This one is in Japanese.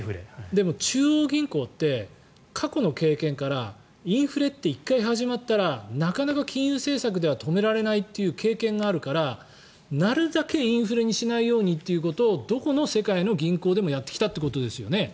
でも中央銀行って過去の経験からインフレって１回始まったらなかなか金融政策では止められないという経験があるからなるたけインフレにしないようにということをどこの世界の銀行でもやってきたということですよね。